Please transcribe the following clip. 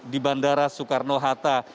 di bandara soekarno hatta